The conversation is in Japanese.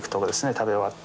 食べ終わって。